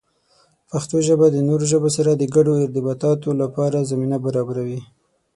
پښتو ژبه د نورو ژبو سره د ګډو ارتباطاتو لپاره زمینه برابروي.